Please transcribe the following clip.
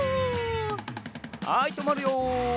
はいとまるよ。